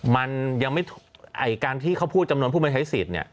มันยังไม่การที่เขาพูดจำนวนผู้มาใช้สิทธิ์เนี่ย